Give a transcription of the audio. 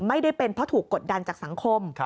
ไม่ได้เป็นเพราะถูกกดดันจากสังคม